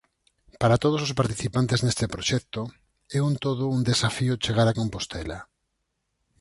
Para todos os participantes neste proxecto, é un todo un desafío chegar a Compostela.